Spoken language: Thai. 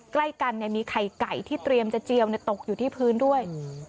ใกล้กันมีไข่ไก่ที่เตรียมจะเจียวตกอยู่ที่พื้นด้วย